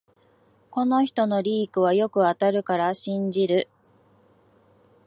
この人のリークはよく当たるから信じる